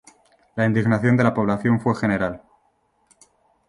La indignación de la población fue general.